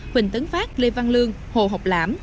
huỳnh tấn phát lê văn lương hồ học lãm